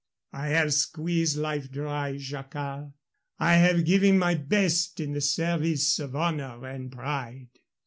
I have squeezed life dry, Jacquard. I have given my best in the service of honor and pride.